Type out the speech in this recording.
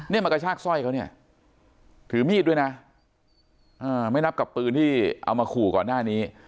มากระชากสร้อยเขาเนี่ยถือมีดด้วยนะไม่นับกับปืนที่เอามาขู่ก่อนหน้านี้